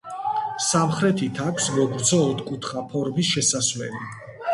სამხრეთით აქვს მოგრძო ოთხკუთხა ფორმის შესასვლელი.